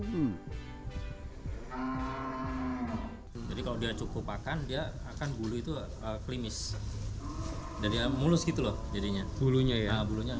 jadi kalau dia cukup akan dia akan bulu itu krimis dari mulus gitu loh jadinya bulunya ya